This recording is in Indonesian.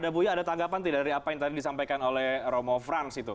ada tanggapan dari apa yang tadi disampaikan oleh romo frans itu